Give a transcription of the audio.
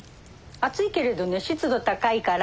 暑いけれどね湿度高いから。